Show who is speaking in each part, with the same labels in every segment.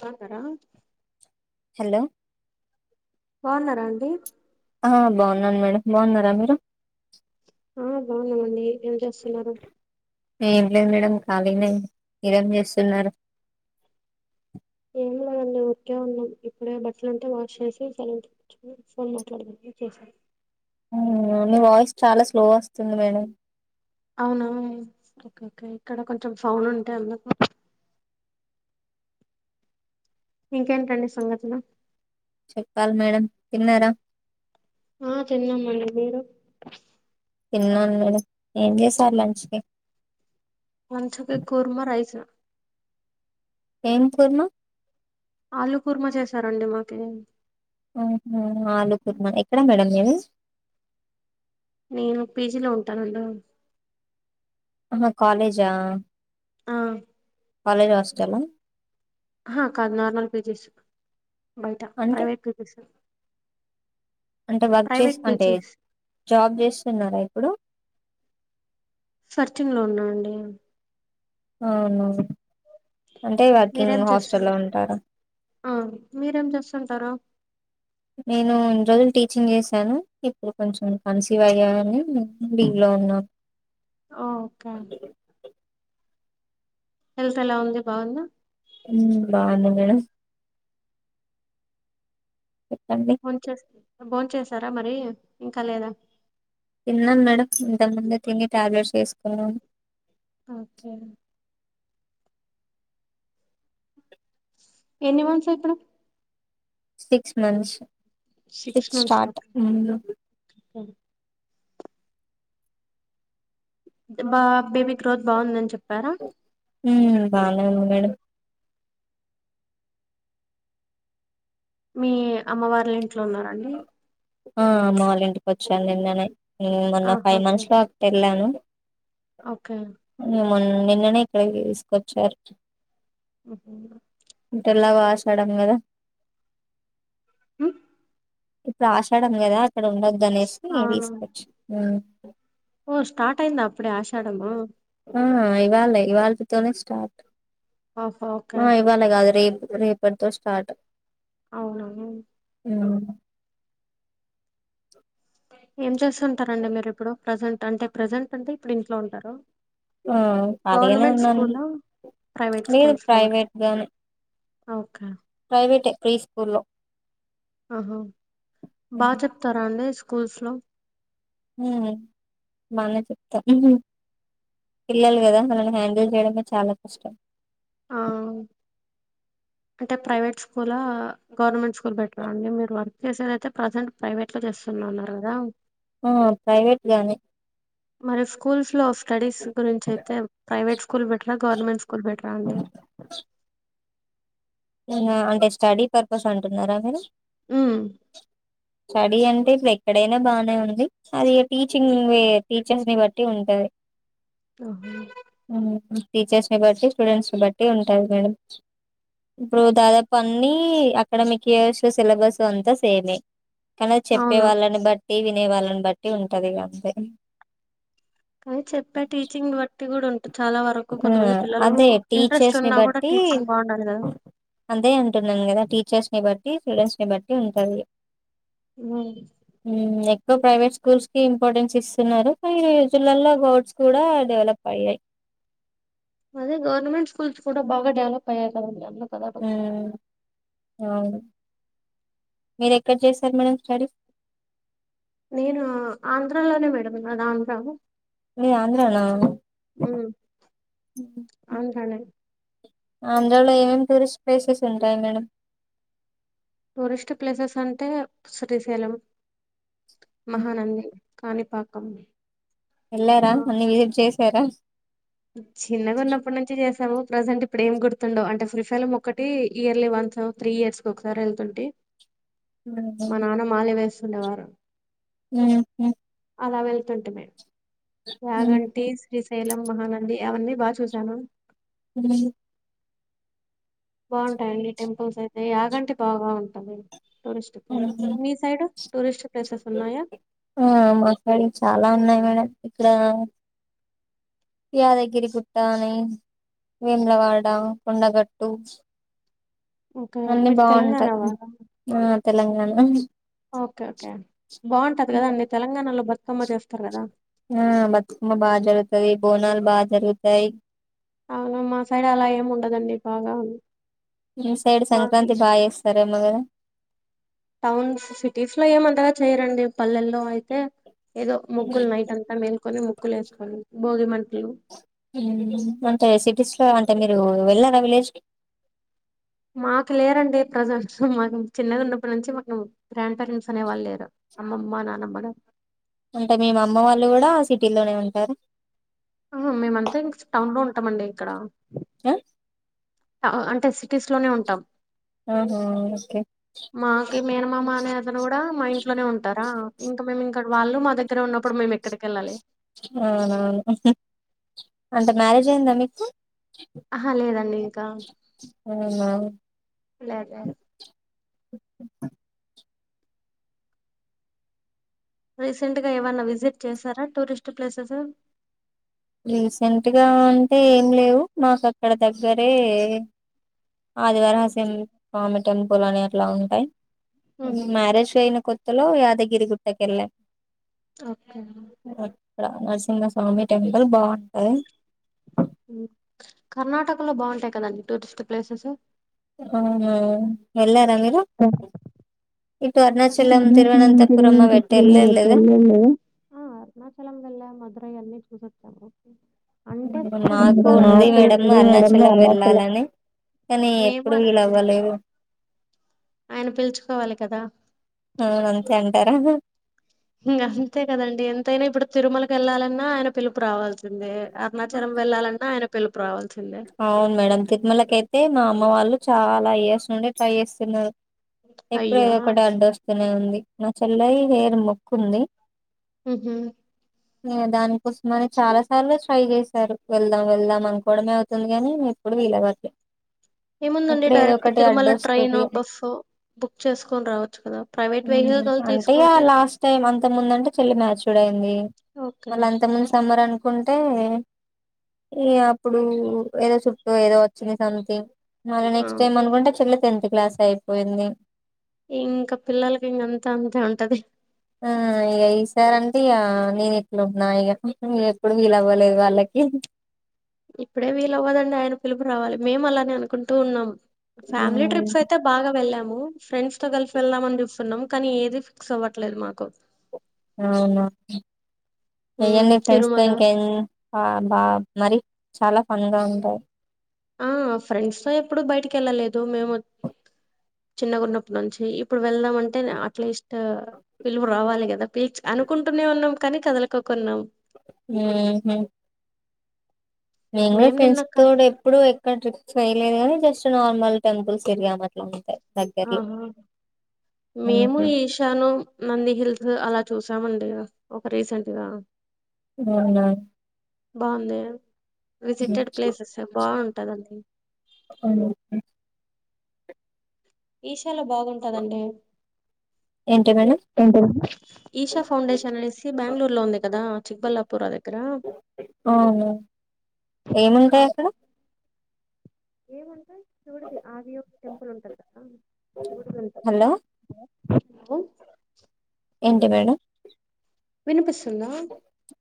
Speaker 1: తాగుతారా
Speaker 2: హలో
Speaker 1: బాగున్నారా అండి
Speaker 2: ఆ బాగున్నాను మేడం బాగున్నారా మీరు
Speaker 1: ఆ బాగున్నామండి ఏం చేస్తున్నారు
Speaker 2: ఏం లేదు మేడం కాలీనే మీరేం చేస్తున్నారు
Speaker 1: ఏం లేదండి ఉరికే ఉన్నాం ఇప్పుడే బట్టలు ఉంటే వాష్ చేసి [unintelligible] ఫోన్ మాట్లాడమంటే చేసాను [unintelligible]
Speaker 2: ఆ మీ వాయిస్ చాలా స్లో వస్తుంది మేడం
Speaker 1: అవునా ఓకే కే ఇక్కడ కొంచెం సౌండ్ ఉంటే అందుకు ఇంకేంటండి సంగతులు
Speaker 2: చెప్పాలి మేడం తిన్నారా
Speaker 1: ఆ తిన్నాం మేడం మీరు
Speaker 2: తిన్నాను మేడం ఏం చేశారు లంచ్ కి
Speaker 1: లంచుకి కుర్మ రైసు
Speaker 2: ఏం కూర్మా
Speaker 1: ఆలు కుర్మా చేసారండి మాకె
Speaker 2: అహ ఆలుకుర్మ ఎక్కడ మేడం మీది
Speaker 1: నేను పీజీలో ఉంటానండి
Speaker 2: అహ కాలేజా
Speaker 1: ఆ
Speaker 2: కాలేజ్ హాస్టల్ ఆ
Speaker 1: అహ కాదు నార్మల్ పీజీస్ బయట
Speaker 2: అంటే
Speaker 1: ప్రైవేట్ పీజీస్
Speaker 2: అంటే వర్క్ చేసి అంటే జాబ్ చేస్తున్నారా ఇప్పుడు
Speaker 1: సర్చింగ్ లో ఉన్నానండి
Speaker 2: అవునా
Speaker 1: మీరేం చేస్తున్నారు
Speaker 2: ఉంటారా
Speaker 1: ఆ మీరేం చేస్తుంటారు
Speaker 2: నేను ఇన్ని రోజులు టీచింగ్ చేసాను ఇప్పుడు కొంచెం కన్సీవ్ అయ్యా అని లివ్లో ఉన్నాను
Speaker 1: ఓ ఓకే హెల్త్ ఎలా ఉంది బాగుందా
Speaker 2: ఉమ్ బాగుంది మేడం చెప్పండి
Speaker 1: బోన్ చేస్తు బోన్ చేస్తారా మరి ఇంకా లేదా
Speaker 2: తిన్నాం మేడం ఇంతకు ముందే తిని టాబ్లెట్స్ వేసుకున్నాం
Speaker 1: ఓకే ఎన్ని మంత్స్ ఇప్పుడు
Speaker 2: సిక్స్ మంత్స్ సిక్స్ స్టార్ట్ ఉమ్
Speaker 1: [unintelligible] బా బేబీ గ్రోత్ బాగుందని చెప్పారా
Speaker 2: ఉమ్ బానే ఉంది మేడం
Speaker 1: మీ అమ్మవాల్ల ఇంట్లో ఉన్నారాండి
Speaker 2: ఆ అమ్మ వాళ్ళ ఇంటికి వచ్చాను నిన్ననే మొన్న ఫైవ్ మంత్స్ లో అటు వెళ్ళాను
Speaker 1: ఓకే
Speaker 2: ఇంగ మొన్న నిన్ననే ఇక్కడికి తీసుకొచ్చారు
Speaker 1: ఉహు
Speaker 2: ఇటేళ్లగో ఆషాడం గదా
Speaker 1: ఉ
Speaker 2: ఇప్పుడు ఆషాడం కదా అక్కడ ఉండద్దు అనేసి ఇగ తీసుకొచ్చిల్లు
Speaker 1: ఓ స్టార్ట్ అయిందా అప్పుడె ఆషాడము
Speaker 2: ఆ ఇవాలె ఇవాల్టీ తోనే స్టార్ట్
Speaker 1: ఓహో ఓకే
Speaker 2: ఆ ఇవాళ కాదు రేపు రేపటితో స్టార్ట్
Speaker 1: అవునా
Speaker 2: ఉమ్
Speaker 1: ఏం చేస్తుంటారండి మీరు ఇప్పుడు ప్రజెంట్ అంటే ప్రజెంట్ అంటే ఇప్పుడు ఇంట్లో ఉంటారా
Speaker 2: ఆ ఖాళీగానే
Speaker 1: గవర్నమెంట్
Speaker 2: ఉన్నాను
Speaker 1: స్కూలా ప్రైవేట్
Speaker 2: లేదు
Speaker 1: స్కూల్స్ లో వర్క్
Speaker 2: ప్రైవేట్
Speaker 1: ఓకే
Speaker 2: ప్రైవేటె ప్రీ స్కూల్లో
Speaker 1: ఆహా బాగ చెప్తారా అండి స్కూల్స్లో
Speaker 2: ఉమ్ బానే చెప్తా పిల్లలు గదా వాళ్ళని హ్యాండిల్ చేయడమే చాలా కష్టం
Speaker 1: అవును అంటే ప్రైవేట్ స్కూలా గవర్నమెంట్ స్కూల్ బెటరా అండి మీరు వర్క్ చేసేది అయితే ప్రసెంట్ ప్రైవేట్ లో చేస్తున్నా అన్నరు కదా
Speaker 2: ఆ ప్రైవేట్ గానే
Speaker 1: మరి స్కూల్స్ లో స్టడీస్ గురించి అయితే ప్రైవేట్ స్కూల్ బెటరా గవర్నమెంట్ స్కూల్ బెటరా అండి
Speaker 2: ఆ అంటే స్టడీ పర్పస్ అంటున్నారా మీరు
Speaker 1: ఉమ్
Speaker 2: స్టడీ అంటే ఇప్పుడు ఎక్కడైనా బానే ఉంది అదిఇగ టీచింగ్ వె టీచర్స్ ని బట్టి ఉంటది
Speaker 1: ఓహో
Speaker 2: హూ హమ్ టీచర్స్ ని బట్టి స్టూడెంట్స్ ని బట్టి ఉంటాది మేడం ఇప్పుడు దాదాపు అన్ని అకాడమిక్ ఇయర్స్ లో సిలబస్ అంతా సేమే కానీ చెప్పే వాళ్ళని బట్టి వినే వాళ్ళని బట్టి ఉంటది ఇగ అంతే
Speaker 1: కానీ చెప్పే టీచింగ్ బట్టి కూడా ఉంటుది చాలా వర నాకు
Speaker 2: ఆ
Speaker 1: కొంతమంది పిల్లలు
Speaker 2: అదే
Speaker 1: ఇంట్రెస్ట్
Speaker 2: టీచర్స్
Speaker 1: ఉన్నా కూడా టీచింగ్ బాగుండాలి కదా
Speaker 2: అంతే అంటున్నాం గదా టీచర్స్ ని బట్టి స్టూడెంట్స్ ని బట్టి ఉంటది ఇగ ఉం ఎక్కువ ప్రైవేట్ స్కూల్స్ కి ఇంపార్టెన్స్ ఇస్తున్నారు కానీ ఈరోజులాల లో గోడ్ కూడా డెవలప్ అయ్యాయి
Speaker 1: అదే గవర్నమెంట్ స్కూల్స్ కూడా బాగా డెవలప్య్యాయి కదండి అందులో
Speaker 2: ఉం అవున్ మీరుఎక్కడ చేశారు మేడం స్టడీ
Speaker 1: నేనా ఆంధ్రాలోనే మేడం నాది ఆంధ్రా
Speaker 2: మీది ఆంధ్రాన
Speaker 1: ఉం ఆంధ్రానే
Speaker 2: ఆంధ్రాలో ఏమేమి టూరిస్ట్ ప్లేసెస్ ఉంటాయి మేడమ్
Speaker 1: టూరిస్ట్ ప్లేసెస్ అంటే శ్రీశైలం
Speaker 2: ఉమ్,
Speaker 1: మహానంది కాణిపాకం
Speaker 2: వెళ్ళారా అన్ని విజిట్ చేశారా
Speaker 1: చిన్నగున్నం ఇప్పటి నుంచి చేసాము ప్రజెంట్ ఇప్పుడు ఏం గుర్తుండో అంటే శ్రీ శైలం ఒక్కటి ఇయర్లీ వన్స్ త్రీ ఇయర్స్ ఒకసారి వెళ్తుంటే మా నాన్న మాల వేస్తుండేవారు
Speaker 2: హు హామ్
Speaker 1: అలా వెళ్తుంటిమే యాగంటి శ్రీశైలం మహానగ ది అవన్నీ బాగా చూశాను
Speaker 2: ఉం
Speaker 1: బాగుంటాయిండి టెంపుల్స్ అయితే యాగంటి బాగా ఉంటుంది టూరిస్ట్ ప్లేసెస్ మీ సైడ్ టూరిస్ట్ ప్లేసెస్ ఉన్నాయా
Speaker 2: ఆ మా సైడ్ చాలా ఉన్నాయి మేడం ఇక్కడ యాదగిరిగుట్టని వేములవాడ కొండగట్టు అన్ని బాగుంటాయి ఆ తెలంగాణ
Speaker 1: ఓకే ఓకే బాగుంటది కదా అండి తెలంగాణలో బతుకమ్మ చేస్తారు కదా
Speaker 2: ఆ బతుకమ్మ బాగా జరుగుతది బోనాలు బాగా జరుగుతాయి
Speaker 1: అవును మా సైడ్ అలా ఏమి ఉండదండి బాగా
Speaker 2: మీ సైడ్ సంక్రాంతి బాగా చేస్తారూ ఏమో కదా
Speaker 1: టౌన్స్ సిటీస్ లో ఏమంతగా చేయరండి పల్లెల్లో అయితే ఏదో ముగ్గులు నైట్ అంతా మేల్కొని ముగ్గులు వేసుకోనీ భోగిమంటలు
Speaker 2: ఉం అంటే సిటీస్ లో అంటే మీరు వెళ్ళారా విలేజ్
Speaker 1: మాకు లేరండి ప్రజెంట్ మా చిన్నది ఉన్నప్పటి నుంచి మాకు గ్రాండ్ పేరెంట్స్ అనే వాళ్ళు లేరు అమ్మమ్మ నానమ్మ
Speaker 2: అంటే మీ అమ్మ వాళ్ళు కూడా సిటీలోనే ఉంటారు
Speaker 1: ఆహా మేమంతా టౌన్ లో ఉంటామండి ఇక్కడ
Speaker 2: ఆ
Speaker 1: అ అంటే సిటీస్ లోనే ఉంటాం
Speaker 2: ఆహా ఓకే
Speaker 1: మాకి మేనమామ అనే అతను కూడా మా ఇంట్లోనే ఉంటారా ఇంకా మేం ఇంకడ వాళ్ళూ మా దగ్గర ఉన్నప్పుడు మేము ఎక్కడికి వెళ్ళాలి
Speaker 2: అవునవును అంటే మ్యారేజ్ అయ్యిందా మీకు
Speaker 1: ఆహా లేదండి ఇంకా
Speaker 2: అవునా
Speaker 1: లేదు లేదు రీసెంట్ గా ఏవన్నా విసిట్ చేశారా టూరిస్ట్ ప్లేసెసు
Speaker 2: రీసెంట్ గా అంటే ఏం లేవు మాకు అక్కడ దగ్గరే ఆదివార హాసెన్ స్వామి టెంపుల్ అని అట్లా ఉంటాయి ఊ మ్యారేజ్ జైన కొత్తలో యాదగిరిగుట్ట కెళ్ళా
Speaker 1: ఓకే [inaudible]
Speaker 2: ఇక్కడ నరసింహస్వామి టెంపుల్ బావుంటాయి
Speaker 1: ఊ కర్ణాటకలో బావుంటాయి కదండి టూరిస్ట్ ప్లేసెస్
Speaker 2: అవునా వెళ్ళారా మీరు ఇటు అరుణాచలం
Speaker 1: అనంత [inaudible]
Speaker 2: తిరువనంతపురం అవి ఎటు
Speaker 1: తిరువనంతపురం
Speaker 2: వెళ్ళలేదా
Speaker 1: ఎప్పుడూ వెళ్ళలే ఆ అరుణాచలం వెళ్ళాం మధురై అన్నీ చూసోచ్చాము
Speaker 2: నాకు ఉంది మేడం అరుణాచలం వెళ్ళాలని
Speaker 1: [unintelligible]
Speaker 2: కానీ ఎప్పుడూ వీలు అవ్వలేవు
Speaker 1: ఆయన పిల్చుకోవాలి కదా
Speaker 2: అవును అంతే అంటారా
Speaker 1: ఇంగ అంతే కదండి ఎంతైనా ఇప్పుడు తిరుమలకు వెళ్లాలన్నా ఆయన పిలుపు రావల్ తిందే అరుణాచలం వెళ్లాలన్నా ఆయన పిలుపు రావాల్సిందే
Speaker 2: అవును మేడం తిరుమలకి అయితే మా అమ్మ వాళ్ళు చాలా ఇయర్స్ నుండి ట్రై చేస్తున్నరు ఎప్పుడూ ఏదో ఒకటి అడ్డు వస్తూనే ఉంది నా చెల్లాయి హెయిర్ మొక్కు ఉంది
Speaker 1: ఊహు
Speaker 2: ఇగ దానికోసం అనే చాలా సార్లే ట్రై చేశారు వెళ్దాం వెళ్దాం అనుకోవడమే [inaudible] తుంది గానీ ఎప్పుడూ వీలు అవ్వట్లే
Speaker 1: ఏముందండి డైరెక్ట్ తిరుమల ట్రైనో
Speaker 2: అడ్డొస్తది
Speaker 1: బస్సో బుక్ చేసుకొని రావచ్చు కదా
Speaker 2: ఊ అంటే ఇగ లాస్ట్ టైం అంతకు ముంద అంటే చెల్లి మ్యాచ్చూడ్ అయ్యింది మళ్ళ అంతకు మందు సమ్మర్ అను కుంటే ఈ అప్పుడు ఏదో చుట్టూ ఏదో వచ్చింది సంథింగ్ మళ్ళ నెక్ట్ టైం అనుకుంటే చెల్లె టెన్త్ క్లాస్ అయిపోయింది
Speaker 1: ఇంక పిల్లలకి ఇంగ అంతా అంతే ఉంటది
Speaker 2: ఆ ఇగ ఈసారి అంటే ఇగ నేను ఎట్లున్నా ఇగ ఎప్పుడూ వీలు అవ్వలేదు వాళ్ళకి
Speaker 1: ఇప్పుడే వీలు ఆవ్వదండి ఆయన పిలుపు రావాలి మేం అలానే అనుకుంటూ ఉన్నాం ఫ్యామిలీ
Speaker 2: మ్మ్
Speaker 1: ట్రిప్స్ అయితే బాగా వెళ్ళాము ఫ్రెండ్స్ తో కలిసి వెళ్దామని చూస్తున్నాం కానీ ఏదీ ఫిక్స్ అవ్వట్లేదు మాకు
Speaker 2: అవునా చెయ్యండి ఫ్రెండ్స్ తో ఇంకేం ఆ బా మరి చాలా ఫన్ గా ఉంటాయి
Speaker 1: ఆ ఫ్రెండ్స్ తో ఎప్పుడూ బయటికెళ్ళలేదు మేము [inaudible] చిన్నగున్నప్పుడి నుంచి ప్పుడు వెళ్దాం అంటేనే అట్లీస్ట్ పిల్లుపు రావాలి కదా పిల్చి అనుకుంటూనే ఉన్నాం కానీ కదలుకోకున్నాం
Speaker 2: ఊహూ నేనూ కూడా ఫ్రెండ్స్ తోటి ఎప్పుడూ ఏ క్కడ ట్రిప్స్ వెయ్యలేదు గానీ జస్ట్ నార్మల్ టెంపుల్స్ తరిగాం అట్ల అంతే దగ్గర్లో
Speaker 1: మేమూ ఏష్ చానుం నంది హిల్స్ అలా చూసామండి ఒక రీసెంట్ గా
Speaker 2: గవున
Speaker 1: బాంది విజిటెడ్ ప్లేసెస్ బాంటదండి
Speaker 2: అవును [unintelligible]
Speaker 1: ఇషోలో బాగుంటాదండి
Speaker 2: ఏంటేమన
Speaker 1: ఏంటండి ఈషా ఫౌండేషన్ అనేసి బ్యాంగ్లూర్లో ఉంది కదా చిక్బల్లాపూర్ దగ్గర
Speaker 2: ఆవును ఏముంటాయ్ అక్కడ్
Speaker 1: ఏముంటయ్ శివుడిది ఆది యొక్టెంపుల్ ఉంటది గదా శివుడిది ఉంట
Speaker 2: బొల్లో ఏంటి మేడమ్
Speaker 1: వినుపిస్తుందా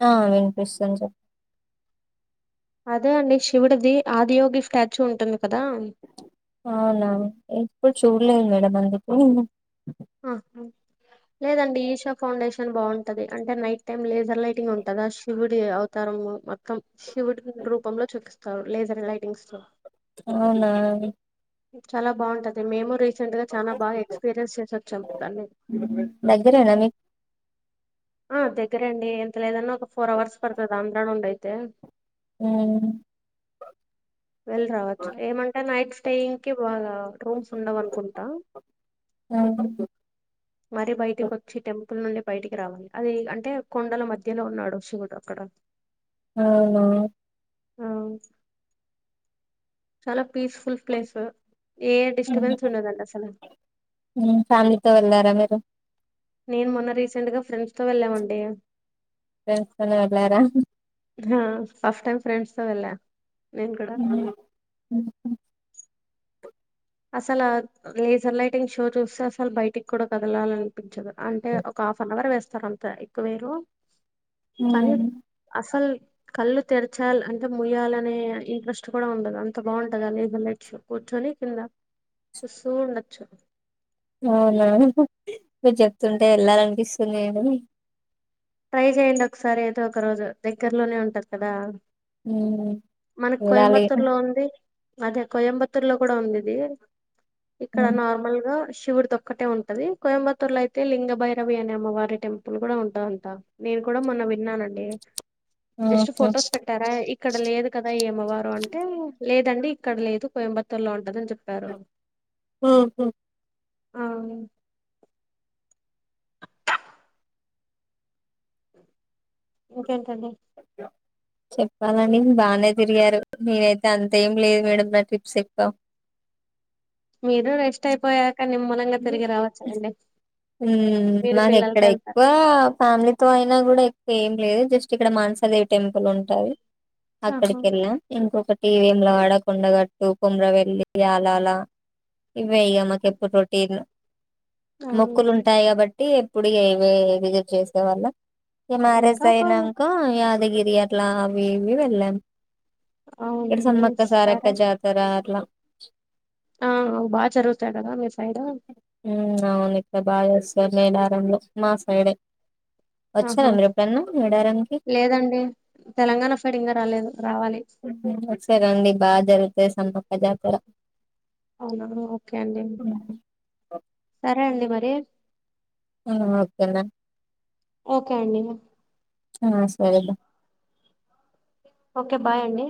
Speaker 2: ఆ విన్పిస్తుంది సా
Speaker 1: అదే అండి శివుడిది ఆదియోగి స్టాచ్యూ ఉంటుంది కదా
Speaker 2: ఔనా ఎప్పుడ్చూడ్లేదు మేడం అందుకే
Speaker 1: అహా లేదండి ఈషా ఫౌండేషన్ బాంటది అంటే నైట్ టైమ్ లేజర్ లైటింగ్ ఉంటదాశివుడి అవు తరము మత్తం శివుడి రూపంలొ చూపిస్తార్ లేజర్ లైటింగ్స్ తో
Speaker 2: అవునా
Speaker 1: చాలా బాగుంటది మేము రీసెంట్గా చానా బాగా ఎక్స్పీరియన్స్ చేసొచ్చాం దాన్ని
Speaker 2: దగ్గేరేన మిక్
Speaker 1: ఆ దగ్గరేండి ఎంత లేదన్నా ఒక ఫోర్ అవర్స్ పడతది ఆంధ్రానుండైతే
Speaker 2: ఉమ్
Speaker 1: వెళ్ల్రావచ్ ఏమంటే నైట్ స్టేయింగ్ కి బాగా రూమ్స్ ఉండవనుకుంట
Speaker 2: ఆ
Speaker 1: మరీ బయటికొచ్చి టెంపుల్ నుండి బయటిక రావాలి అది అంటే కొండల మధ్యలో ఉన్నాడు శివుడు అక్కడ [inaudible]
Speaker 2: ఔనా
Speaker 1: ఆ చాలా పీస్ ఫుల్ ప్లేస్ ఏ డిస్టర్బెన్స్ ఉండదంట అసల
Speaker 2: హుమ్ ఫామ్లీతో వెళ్ళారా మీరు
Speaker 1: నేన్ మొన్న రీసెంట్ గా ఫ్రెండ్స్తో వెళ్ళామండి
Speaker 2: ఫ్రెండ్స్ తోనే వెళ్ళారా
Speaker 1: హ ఫస్టైం ఫ్రెండ్స్తో వెళ్లా నేన్ కుడ
Speaker 2: ఉ ఉ
Speaker 1: అసలా లేజర్ లైటింగ్ షో చూస్తే అసలు బయటిక్కూడా కదలాలలినిపిచదు అంటే ఒక హాఫ్ అన్ అవర్ వేస్తరు అంతె ఎక్కువేరు కాని
Speaker 2: హ్మ్
Speaker 1: అసల్ కళ్ళు తెర్చాల్ అంటే ముయ్యాలనే ఇంట్రెస్ట్ కుడ ఉండదు అంత బాంటది ఆ లేజర్ లైట్ షో కూర్చొని కింద చుస్సూ ఉండొచ్చు
Speaker 2: ఔనా మీర్ చెప్తుంటె ఎళ్ళాలనిపిసుంది మేడం
Speaker 1: ట్రై చేయండి ఒకసారైతె ఒక రోజు దగ్గర్లోనే ఉంటది కదా
Speaker 2: హ్మ్
Speaker 1: మనక్
Speaker 2: చూడాలి
Speaker 1: కొయంబత్తూర్లో ఉంది అదే కొయంబత్తూర్లో కుడ ఉందిది ఇక్కడ
Speaker 2: హ్మ్
Speaker 1: నార్మల్ గా శివుడి త ఒక్కటే ఉంటంది కొయంబత్తూర్లో అయితే లింగ భైరవి అనే అమ్మవారి టెంపుల్ గుడ ఉంటది అన్ ట నేను కూడా మొన్న విన్నానండి జస్ట్ ఫొటోస్ పె టరా ఇక్కడ లేదు కదా ఈ అమ్మవారు అంటే లేదండి ఇక్కడ లేదు కోయంబత్తూర్‌లో ఉంటదని చెప్పారు చ్
Speaker 2: మ్మ్ఉహ్మ్
Speaker 1: అవును ఇంకేంటండి
Speaker 2: పద్య చెప్పాలని బానే తిరిగారు నేనైతే అంతేం లేదు మేడం నా ట్రిప్స్ చెప్తా
Speaker 1: మీరు రెస్ట్ అయిపోయాక నిమ్మలంగా తిరిగి రావచ్చు లేండి
Speaker 2: ఉమ్మ్ మాకు ఇక్కడ ఎక్కువ ఫ్యామిలీతో అయినా కూడా ఎక్కువ ఏం లేదు జస్ట్ ఇక్కడ మానసాదేవి టెంపుల్ ఉంటది అక్కడికెళ్ళా ఇంకొకటి వేములవాడ కొండగట్టు కోమ్రవెళ్ళి అలా అలా ఇవే ఇగ మాకెప్పుడు రోటీన్ మొక్కులు ఉంటాయి కాబట్టి ఎప్పుడు ఇగ ఇవే విజిట్ చేసే వాళ్ళ ఇగ మ్యారేజ్ అయినాంక యాదగిరి అట్లా అవి ఇవి వెళ్ళాం ఇక్కడ సమ్మక్క సారక్క జాతర అట్లా
Speaker 1: ఆ బాగా జరుగుతాది కదా మీ సైడ్
Speaker 2: ఉమ్మ్ అవును ఇక్కడ బాగా చేస్తారు మేడారంలో మా సైడే వచ్చినారా మీరు ఎప్పుడనా మేడారానికి
Speaker 1: లేదండి తెలంగాణ సైడ్ ఇంగా రాలేదు రావాలి
Speaker 2: మ్మ్ఉమ్మ్ ఒకసారి రండి బాగా జరుగుతాది సమ్మక్క జాతర
Speaker 1: అవునా ఓకే అండి సరే అండి మరి
Speaker 2: ఆ ఓకేనా
Speaker 1: ఓకే అండి ఇగ
Speaker 2: ఆ సరే బా
Speaker 1: ఓకే బాయ్ అండి